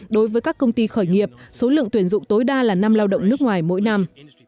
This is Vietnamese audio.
đối với các công ty khởi nghiệp số lượng tuyển dụng tối đa là năm lao động nước ngoài mỗi năm